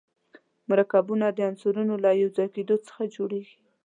مرکبونه د عنصرونو له یو ځای کېدو څخه جوړیږي.